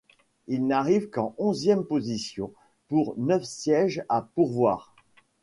Il n’arrive qu’en onzième position pour neuf sièges à pourvoir.